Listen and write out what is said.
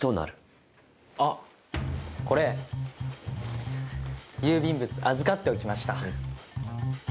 あっこれ郵便物預かっておきました。